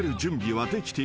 はい。